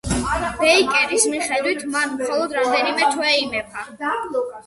ბეიკერის მიხედვით მან მხოლოდ რამდენიმე თვე იმეფა.